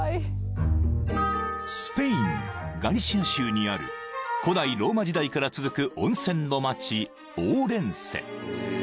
［スペインガリシア州にある古代ローマ時代から続く温泉の街オウレンセ］